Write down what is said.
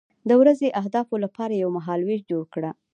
د ورځني اهدافو لپاره یو مهالویش جوړ کړه.